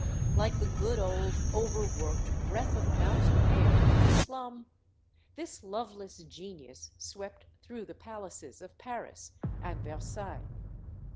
Like the good, old, overworked "breath of mountain air in a slum," this loveless genius swept through the palaces of Paris and Versailles.